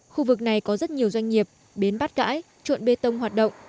khu vực này có rất nhiều doanh nghiệp bến bắt cãi trộn bê tông hoạt động